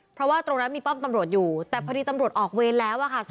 เพราะว่าตรงนั้นมีป้อมตำรวจอยู่แต่พอดีตำรวจออกเวรแล้วอะค่ะ